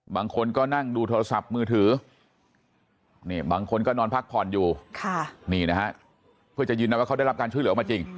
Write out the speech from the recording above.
บางคนก็นั่งดูโทรศัพท์มือถือนี่บางคนก็นอนพักผ่อนอยู่นี่นะฮะเพื่อจะยืนนะว่าเขาได้รับการช่วยเหลือออกมาจริง